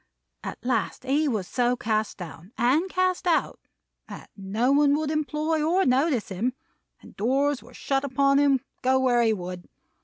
At last he was so cast down, and cast out, that no one would employ or notice him; and doors were shut upon him, go where he would.